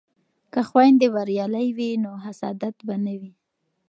که خویندې بریالۍ وي نو حسادت به نه وي.